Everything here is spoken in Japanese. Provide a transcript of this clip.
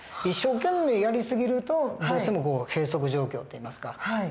一生懸命やり過ぎるとどうしても閉塞状況っていいますか。